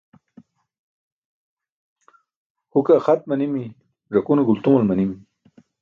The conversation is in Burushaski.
Huke axat manimi, ẓakune gultumal manimi.